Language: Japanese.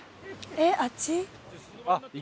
えっあっち？